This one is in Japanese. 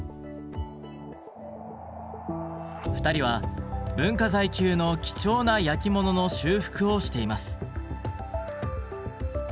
２人は文化財級の貴重な焼き物の修復をしています。